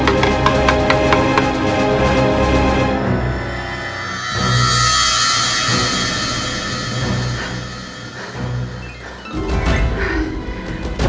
angin lebih menderita